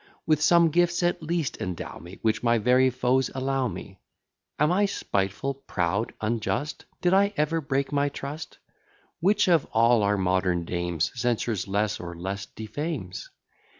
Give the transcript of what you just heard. With some gifts at least endow me, Which my very foes allow me. Am I spiteful, proud, unjust? Did I ever break my trust? Which of all our modern dames Censures less, or less defames?